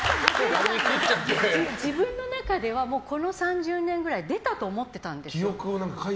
自分の中では、この３０年ぐらい出たと思ってたんですよ。